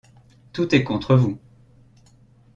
Tout est contre vous!